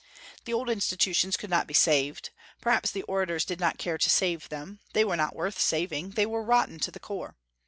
The old institutions could not be saved: perhaps the orators did not care to save them; they were not worth saving; they were rotten to the core.